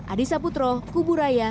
adisa putro kuburaya